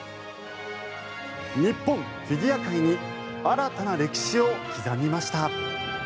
日本フィギュア界に新たな歴史を刻みました。